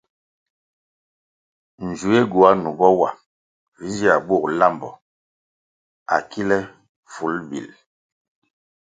Nzuéh gywuah numbo wa vi nzier bug lambo á kile fil bil.